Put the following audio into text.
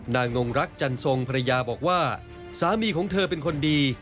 งงรักจันทรงภรรยาบอกว่าสามีของเธอเป็นคนดี